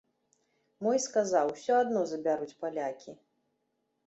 Мой сказаў, усё адно забяруць палякі.